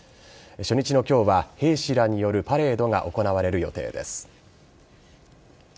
初日の今日は兵士らによるパレードが行われる予定です。